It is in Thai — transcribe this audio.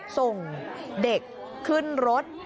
ส่งเด็กขึ้นรถ